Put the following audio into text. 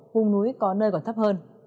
hùng núi có nơi còn thấp hơn